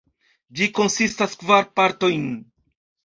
Ĝi konsistas kvar partojn.